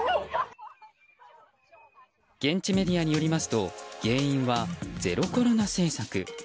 現地メディアによりますと原因はゼロコロナ政策。